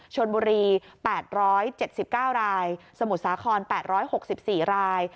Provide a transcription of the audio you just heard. ชนบุรีแปดร้อยเจ็ดสิบเก้ารายสมุดสาครแปดร้อยหกสิบสี่ราย